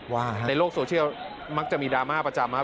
ว้าวครับในโลกโซเชียลมักจะมีดราม่าประจำครับ